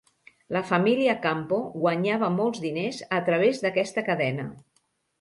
La família Campo guanyava molts diners a través d'aquesta cadena.